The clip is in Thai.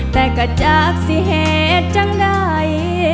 แต่ก็จากสิเหตุจังไหน